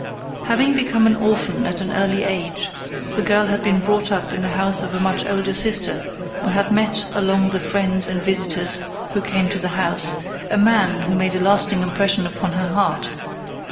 Having become an orphan at an early age, the girl had been brought up in the house of a much older sister, and had met among the friends and visitors who came to the house, a man who made a lasting impression upon her heart.